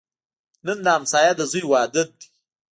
نن د همسایه د زوی واده دی